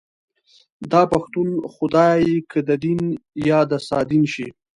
داپښتون خدای که ددين يا دسادين شي